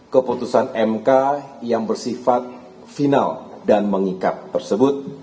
keputusan mk yang bersifat final dan mengikat tersebut